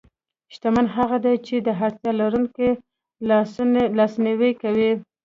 شتمن هغه دی چې د اړتیا لرونکو لاسنیوی کوي.